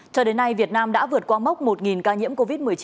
cho đến nay việt nam đã vượt qua mốc một ca nhiễm covid một mươi chín